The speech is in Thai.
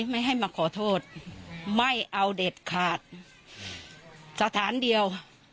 ไม่ให้มาขอโทษไม่เอาเด็ดขาดสถานเดียว